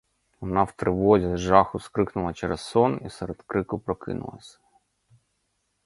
Вона в тривозі, з жаху скрикнула через сон і серед крику прокинулася.